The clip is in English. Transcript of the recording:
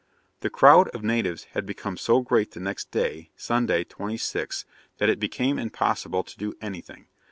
The crowd of natives had become so great the next day, Sunday 26th, that it became impossible to do anything.